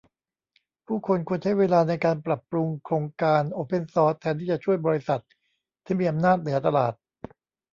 ผู้คนควรใช้เวลาในการปรับปรุงโครงการโอเพนซอร์ซแทนที่จะช่วย บริษัท ที่มีอำนาจเหนือตลาด